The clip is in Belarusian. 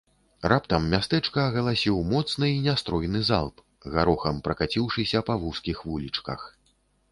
Раптам мястэчка агаласіў моцны і нястройны залп, гарохам пракаціўшыся па вузкіх вулічках.